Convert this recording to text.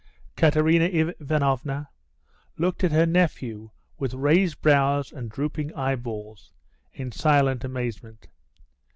Katerina Ivanovna looked at her nephew with raised brows and drooping eyeballs, in silent amazement.